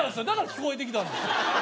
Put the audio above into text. だから聞こえてきたんです